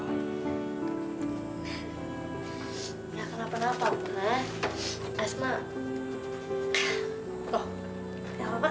ya kenapa kenapa bu